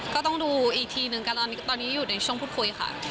ก็ต้องดูอีกทีนึงกันตอนนี้อยู่ในช่วงพูดคุยค่ะ